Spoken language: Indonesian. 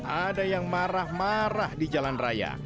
ada yang marah marah di jalan raya